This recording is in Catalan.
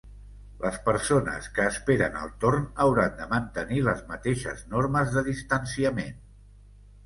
Les persones que esperen el torn hauran de mantenir les mateixes normes de distanciament.